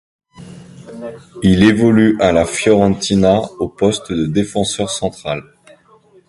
Il évolue à la Fiorentina au poste de défenseur central.